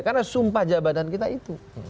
karena sumpah jabatan kita itu